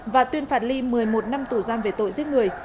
và tuyên phạt ly một mươi một năm tù giam về tội giết người